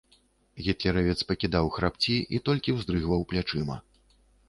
Гітлеравец пакідаў храпці і толькі ўздрыгваў плячыма.